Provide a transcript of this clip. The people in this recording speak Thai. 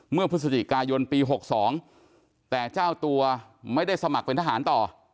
เมื่อพฤศจิกายนปี๖๒แต่เจ้าตัวไม่ได้สมัครเป็นทหารต่อ